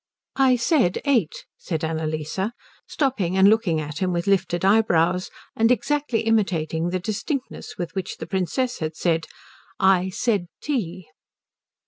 "I said eight," said Annalise, stopping and looking at him with lifted eye brows and exactly imitating the distinctness with which the Princess had just said "I said tea."